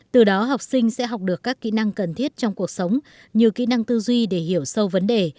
từ đó học sinh sẽ học được các kỹ năng cần thiết trong cuộc sống như kỹ năng tư duy để hiểu sâu vấn đề